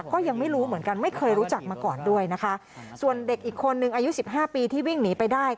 ก็ยังไม่รู้เหมือนกันไม่เคยรู้จักมาก่อนด้วยนะคะส่วนเด็กอีกคนนึงอายุสิบห้าปีที่วิ่งหนีไปได้